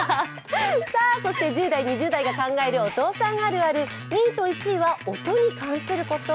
そして１０代、２０代が考えるお父さんあるある２位と１位は音に関すること。